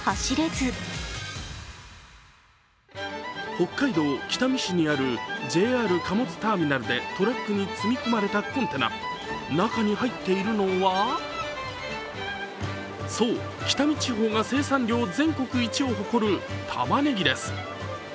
北海道北見市にあるＪＲ貨物ターミナルでトラックに積み込まれたコンテナ中に入っているのはそう、北見地方が生産量全国一を誇るたまねぎです。